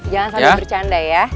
jangan sampai bercanda ya